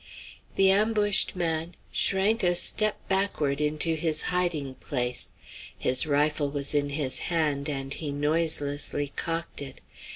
The ambushed man shrank a step backward into his hiding place. His rifle was in his hand and he noiselessly cocked it.